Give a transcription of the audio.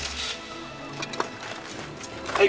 はい。